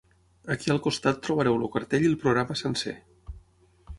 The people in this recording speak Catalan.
Aquí al costat trobareu el cartell i el programa sencer.